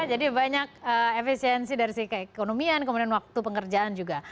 jadi banyak efisiensi dari sikap ekonomi kemudian waktu pengerjaan juga